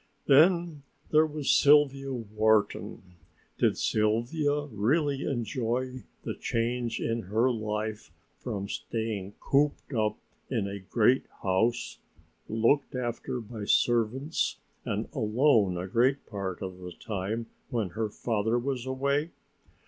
Then there was Sylvia Wharton! Did Sylvia really enjoy the change in her life from staying cooped up in a great house, looked after by servants and alone a great part of the time when her father was away?